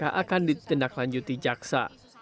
akan ditindaklanjuti jaksa